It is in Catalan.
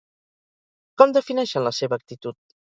Com defineixen la seva actitud?